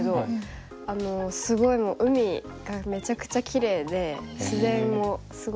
すごい海がめちゃくちゃきれいで自然もすごい豊かで。